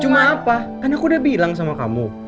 cuma apa kan aku udah bilang sama kamu